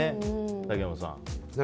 竹山さん。